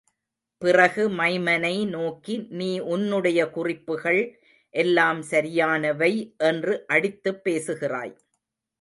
பிறகு மைமனை நோக்கி நீ உன்னுடைய குறிப்புகள் எல்லாம் சரியானவை என்று அடித்துப் பேசுகிறாய்.